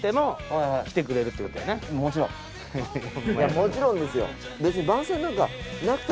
もちろんですよ。